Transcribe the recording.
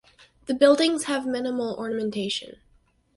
The buildings have minimal ornamentation.